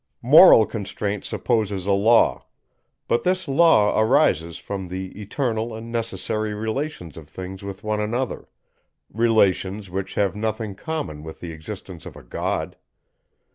Moral constraint supposes a law; but this law arises from the eternal and necessary relations of things with one another; relations, which have nothing common with the existence of a God.